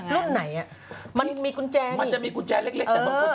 รุ่นไหนอ่ะมันมีกุญแจมันจะมีกุญแจเล็กแต่บางคน